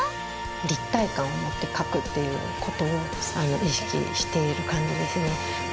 立体感を持って描くっていうことを意識している感じですね。